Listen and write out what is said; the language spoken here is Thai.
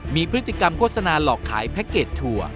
มีพฤติกรรมโฆษณาหลอกขายแพ็คเกจถั่ว